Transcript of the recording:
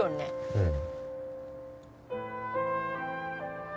うん。